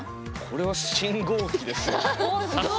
これは信号機ですよね